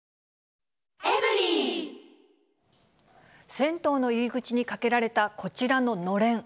銭湯の入り口にかけられたこちらののれん。